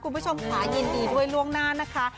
คุณผู้ชมค่ะยินดีด้วยล่วงหน้านะคะ